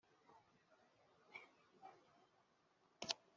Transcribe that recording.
cyabizobereyemo cya Leta y’u Rwanda cyibishinzwe